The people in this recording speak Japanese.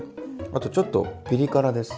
あとちょっとピリ辛です。